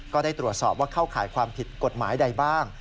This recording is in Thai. ก็ได้ตรวจสอบว่าเข้าข่ายความผิดกฎหมายใดบ้าง